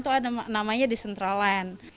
itu ada namanya decentraland